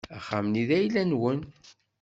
Axxam-nni d ayla-nwen.